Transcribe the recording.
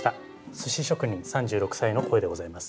寿司職人３６歳の声でございます。